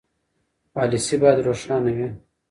پالیسي باید روښانه وي.